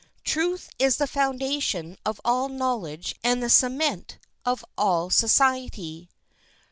Truth is the foundation of all knowledge and the cement of all society.